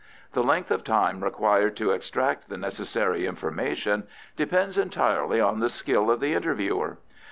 The length of time required to extract the necessary information depends entirely on the skill of the interviewer.